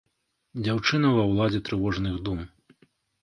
Дзяўчына ва ўладзе трывожных дум.